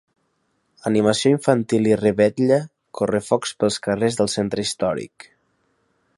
Animació infantil i revetlla, correfocs pels carrers del centre històric.